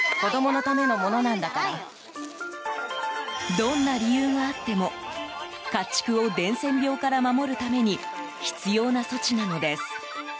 どんな理由があっても家畜を伝染病から守るために必要な措置なのです。